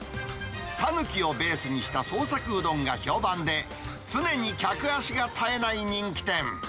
讃岐をベースにした創作うどんが評判で、常に客足が絶えない人気店。